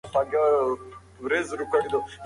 هغه غوښتل چې یوه پټه خبره یوازې ما ته په غوږ کې ووایي.